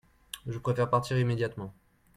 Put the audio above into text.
Je préfère partir immédiatement.